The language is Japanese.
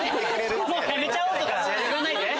もうやめちゃおうとか言わないで。